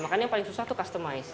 makanya yang paling susah tuh customize